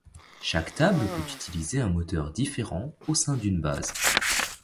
Chaque table peut utiliser un moteur différent au sein d'une base.